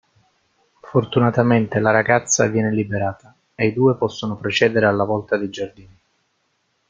Fortunatamente la ragazza viene liberata e i due possono procedere alla volta dei giardini.